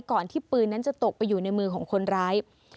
ก่อนที่ปืนนั้นจะตกไปอยู่ในมือของคนร้าย